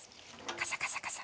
カサカサカサ。